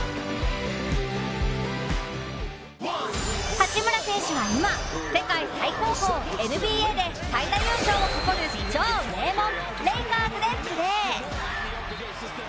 八村選手は今世界最高峰ＮＢＡで最多優勝を誇る超名門レイカーズでプレー。